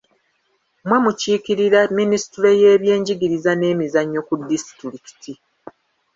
Mmwe mukiikirira ministule y'ebyenjigiriza n'emizannyo ku disitulikiti.